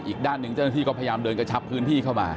อีกด้านหนึ่งเจ้าหน้าที่ก็พยายามเดินกระชับพื้นที่เข้ามา